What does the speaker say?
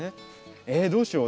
えっどうしよう？